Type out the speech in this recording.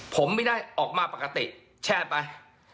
ผมไม่ได้ออกมาปกติแช่ไป